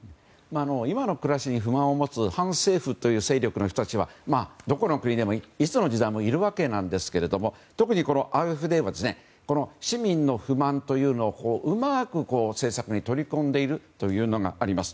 今の暮らしに不満を持つ反政府の勢力という人たちはどこの国でも、いつの時代もいるわけなんですが特にＡｆＤは市民の不満というのをうまく政策に取り込んでいるというのがあります。